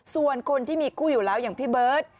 ส่วนคนที่มีคู่อยู่แล้วอย่างพี่เบิร์ต